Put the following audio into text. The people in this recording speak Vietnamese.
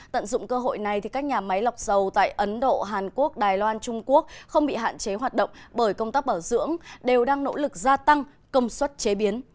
tận dụng cơ hội này các nhà máy lọc dầu tại ấn độ hàn quốc đài loan trung quốc không bị hạn chế hoạt động bởi công tác bảo dưỡng đều đang nỗ lực gia tăng công suất chế biến